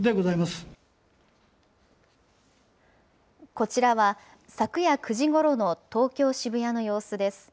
こちらは、昨夜９時ごろの東京・渋谷の様子です。